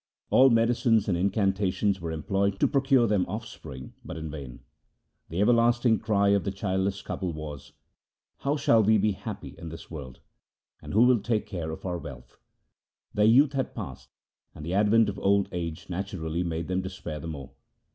All medicines and incantations were employed to procure them offspring, but in vain. The everlasting cry of the childless couple was, ' How shall we be happy in this world ? And who will take care of our wealth ?' Their youth had passed, and the advent of old age naturally made them despair the more.